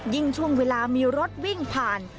ช่วงเวลามีรถวิ่งผ่าน